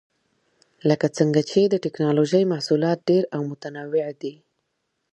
لکه څنګه چې د ټېکنالوجۍ محصولات ډېر او متنوع دي.